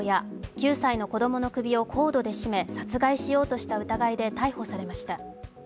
９歳の子供の首をコードで絞め、殺害しようとした疑いで逮捕されました。